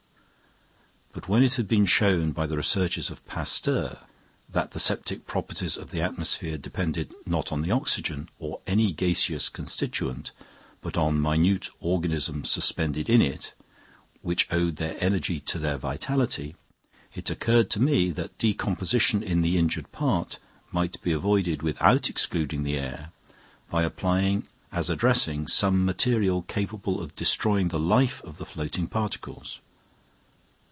But when it had been shown by the researches of Pasteur that the septic properties of the atmosphere depended not on the oxygen, or any gaseous constituent, but on minute organisms suspended in it, which owed their energy to their vitality, it occurred to me that decomposition in the injured part might be avoided without excluding the air, by applying as a dressing some material capable of destroying the life of the floating particles.